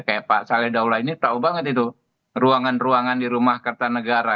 kayak pak saleh daulah ini tahu banget itu ruangan ruangan di rumah kertanegara